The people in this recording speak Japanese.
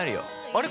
あれ？